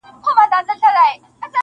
چي یې لاره کي پیدا وږی زمری سو-